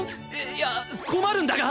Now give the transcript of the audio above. いや困るんだが。